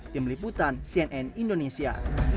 tim liputan cnn indonesia